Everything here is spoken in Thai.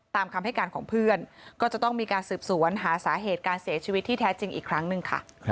ตามคำให้การของเพื่อนก็จะต้องมีการสืบสวนหาสาเหตุการเสียชีวิตที่แท้จริงอีกครั้งหนึ่งค่ะ